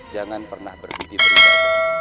jangan pernah berhenti beribadah